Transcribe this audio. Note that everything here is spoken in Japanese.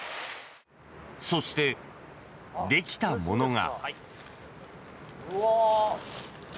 そして、できたものが。